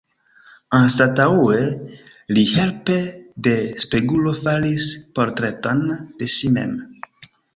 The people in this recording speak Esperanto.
Anstataŭe, li helpe de spegulo faris portreton de si mem.